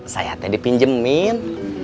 saya tadi pinjamin